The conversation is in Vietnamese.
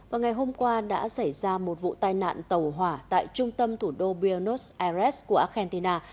vào ngày hôm qua đã xảy ra một vụ tai nạn tàu hỏa tại trung tâm thủ đô buenos aires của argentina